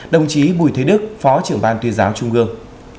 đồng chí bùi thế đức phó trưởng ban tuyên giáo trung ương